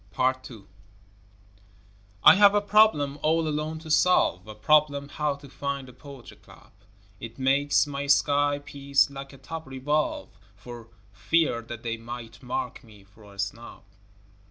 Part II I have a problem all alone to solve, A problem how to find the poetry club, It makes my sky piece like a top revolve, For fear that they might mark me for a snob.